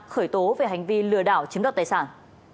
khởi tố về hành vi lừa đảo chiếm đoạt tài sản